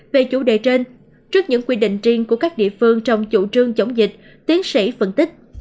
về chủ đề trên trước những quy định riêng của các địa phương trong chủ trương chống dịch tiến sĩ phân tích